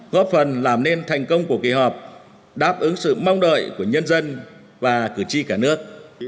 góp phần làm nên thành công của kỳ họp đáp ứng sự mong đợi của nhân dân và cử tri cả nước